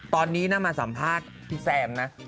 ตอนนี้น่ามาสัมภาษณ์พี่แซมนะ